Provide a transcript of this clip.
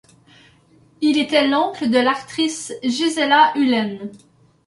Il était l'oncle de l'actrice Gisela Uhlen.